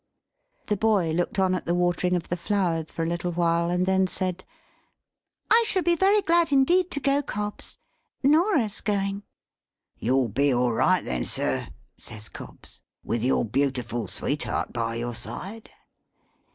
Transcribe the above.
The boy looked on at the watering of the flowers for a little while, and then said, "I shall be very glad indeed to go, Cobbs, Norah's going." "You'll be all right then, sir," says Cobbs, "with your beautiful sweetheart by your side."